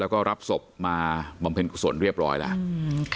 แล้วก็รับศพมาบำเพ็ญกุศลเรียบร้อยแล้ว